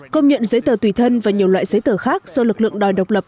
công nhận giấy tờ tùy thân và nhiều loại giấy tờ khác do lực lượng đòi độc lập